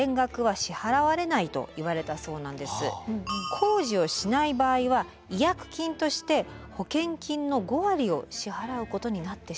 工事をしない場合は違約金として保険金の５割を支払うことになってしまったと。